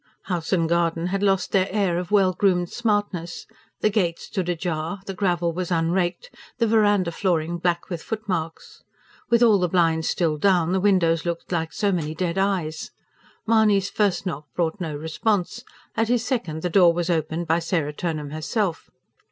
House and garden had lost their air of well groomed smartness: the gate stood ajar, the gravel was unraked, the verandah flooring black with footmarks. With all the blinds still down, the windows looked like so many dead eyes. Mahony's first knock brought no response; at his second, the door was opened by Sarah Turnham herself.